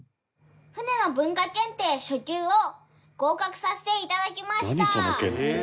船の文化検定初級を合格させて頂きました！